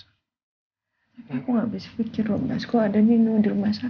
aku gak bisa pikir rumah sekolah ada nino di rumah sakit ya